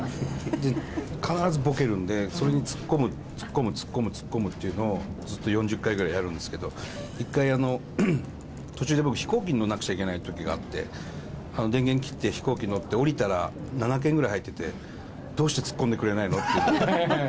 必ずぼけるんで、それにつっこむ、つっこむ、つっこむっていうのをずっと４０回ぐらいやるんですけど、一回、途中で僕、飛行機に乗んなくちゃいけないときがあって、電源切って飛行機乗って降りたら、７件ぐらい入ってて、どうしてつっこんでくれないのっていうのが。